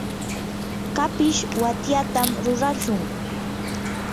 kapish watyatam rurashun.